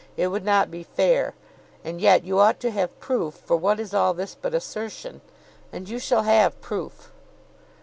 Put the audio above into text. It would not be fair; and yet you ought to have proof, for what is all this but assertion, and you shall have proof."